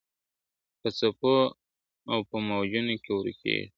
په څپو او په موجونو کي ورکیږي !.